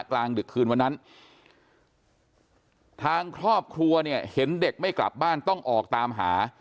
กลางดึกคืนวันนั้นทางครอบครัวเนี่ยเห็นเด็กไม่กลับบ้านต้องออกตามหา